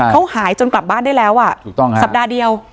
เขาหายจนกลับบ้านได้แล้วสัปดาห์เดียว